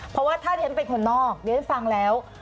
เพราะว่าถ้าเรียนเป็นคนนอกเดี๋ยวฉันฟังแล้ว